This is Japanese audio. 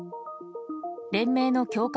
連盟の強化